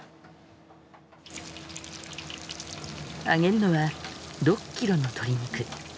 揚げるのは６キロの鶏肉。